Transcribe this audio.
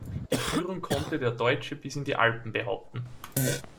Die Führung konnte der Deutsche bis in die Alpen behaupten.